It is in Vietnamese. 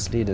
số tiền đó